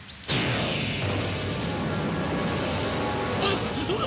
あっ。